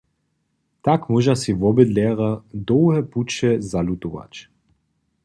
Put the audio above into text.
Tak móža sej wobydlerjo dołhe puće zalutować.